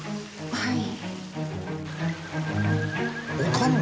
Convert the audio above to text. はい。